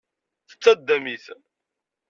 Tettaddam-it.